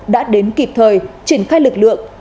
đã đến kịp thời triển khai lực lượng